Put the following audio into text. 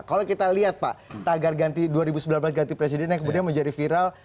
kalau kita lihat pak tagar dua ribu sembilan belas ganti presiden yang kemudian menjadi viral